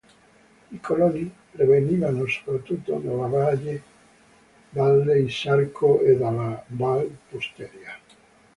I coloni provenivano soprattutto dalla valle Isarco e dalla val Pusteria.